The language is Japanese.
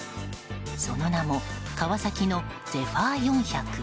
その名もカワサキのゼファー４００。